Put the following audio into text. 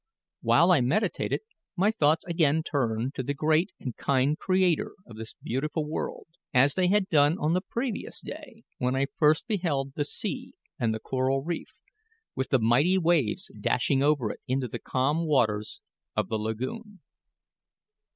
While I meditated, my thoughts again turned to the great and kind Creator of this beautiful world, as they had done on the previous day when I first beheld the sea and the coral reef, with the mighty waves dashing over it into the calm waters of the lagoon.